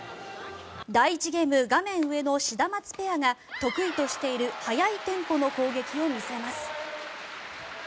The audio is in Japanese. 第１ゲーム、画面上のシダマツペアが得意としている速いテンポの攻撃を見せます。